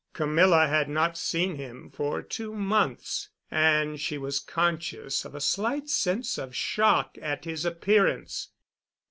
Camilla had not seen him for two months, and she was conscious of a slight sense of shock at his appearance.